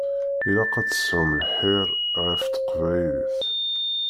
Ilaq ad tesɛum lḥir ɣef teqbaylit.